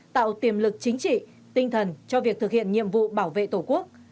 tạo tiềm lực chính trị tinh thần cho việc thực hiện nhiệm vụ bảo vệ tổ quốc